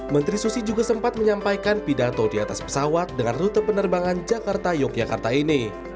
menteri susi juga sempat menyampaikan pidato di atas pesawat dengan rute penerbangan jakarta yogyakarta ini